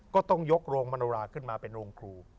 ก็ต้องยกโรงมโนราขึ้นมาเป็นโรงครู